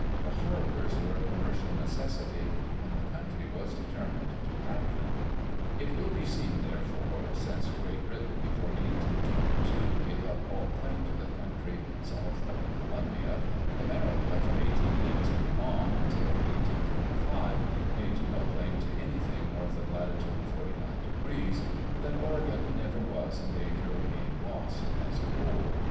The harbors were a commercial necessity and the country was determined to have them. It will be seen, therefore, since Great Britain before 1822 gave up all claim to the country south of the Columbia, and America from 18 1 8 on until 1845 made no claim to anything north of latitude forty nine degrees, that Oregon never was in danger of being lost, as a whole.